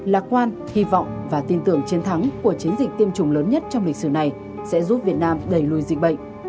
lạc quan hy vọng và tin tưởng chiến thắng của chiến dịch tiêm chủng lớn nhất trong lịch sử này sẽ giúp việt nam đẩy lùi dịch bệnh